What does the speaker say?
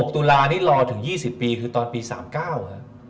ตุลานี่รอถึง๒๐ปีคือตอนปี๓๙ครับ